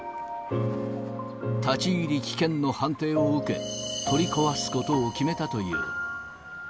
立ち入り危険の判定を受け、取り壊すことを決めたという。